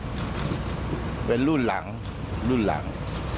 ต้องเบนรุ่นหลังรุ่นหลัง